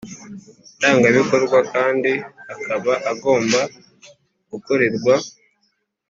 Ndangabikorwa kandi akaba agomba gukorerwa